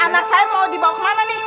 anak saya mau dibawa ke mana dek